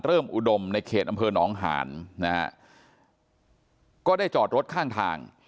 อุดมในเขตอำเภอหนองหานนะฮะก็ได้จอดรถข้างทาง